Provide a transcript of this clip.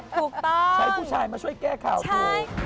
ถูกต้องใช้ผู้ชายมาช่วยแก้ข่าวโอ้โฮใช่